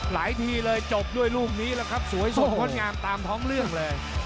ทีเลยจบด้วยลูกนี้แล้วครับสวยสดงดงามตามท้องเรื่องเลย